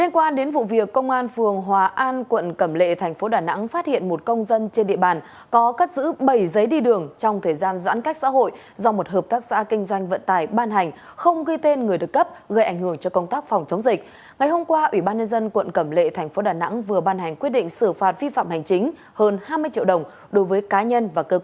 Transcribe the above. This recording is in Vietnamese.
các bạn hãy đăng ký kênh để ủng hộ kênh của chúng mình nhé